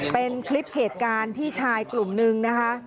เป็นคลิปเหตุการณ์ที่ชายกลุ่มนึงนะคะ